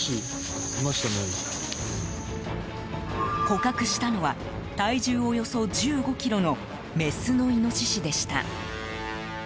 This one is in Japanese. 捕獲したのは体重およそ１５ｋｇのメスのイノシシでした。